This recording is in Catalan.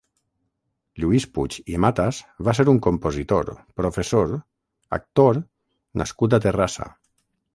Lluís Puig i Matas va ser un compositor, professor, actor nascut a Terrassa.